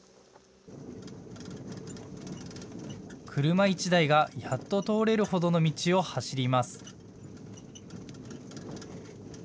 車１台がやっと通れるほどの道を走ります。